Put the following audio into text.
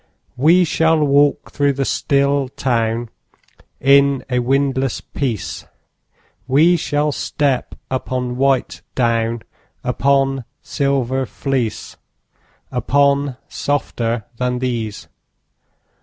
We shall walk through the still town In a windless peace; We shall step upon white down, Upon silver fleece, Upon softer than these.